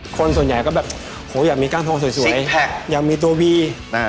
คนส่วนใหญ่ก็แบบโหอยากมีกล้ามทองสวยอยากมีตัววี